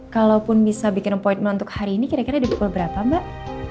kalaupun bisa bikin point untuk hari ini kira kira di pukul berapa mbak